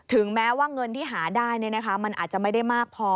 แม้ว่าเงินที่หาได้มันอาจจะไม่ได้มากพอ